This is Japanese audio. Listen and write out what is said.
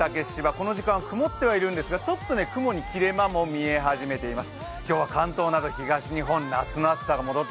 この時間曇ってはいるんですが、ちょっと雲に切れ間も見え始めています。